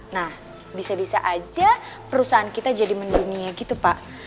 nah bisa bisa aja perusahaan kita jadi mendunia gitu pak